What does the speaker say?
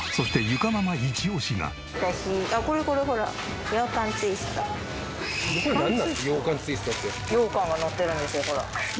ようかんがのってるんですよほら。